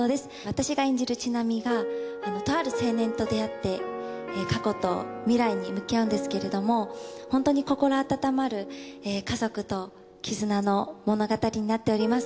私が演じる千波がとある青年と出会って過去と未来に向き合うんですけれどもホントに心温まる家族と絆の物語になっております。